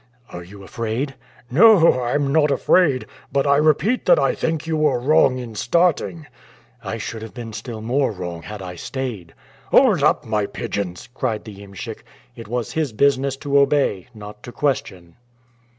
"Are you afraid?" "No, I'm not afraid, but I repeat that I think you were wrong in starting." "I should have been still more wrong had I stayed." "Hold up, my pigeons!" cried the iemschik; it was his business to obey, not to question.